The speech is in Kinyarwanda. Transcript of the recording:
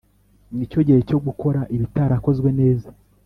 nicyo gihe cyogukora ibitarakozwe neza